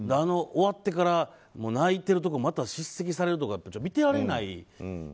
終わってから泣いているところをまた叱責されるとか見てられない。